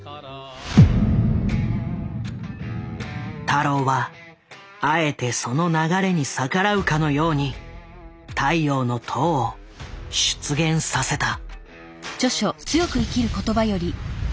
太郎はあえてその流れに逆らうかのように「太陽の塔」を出現させた。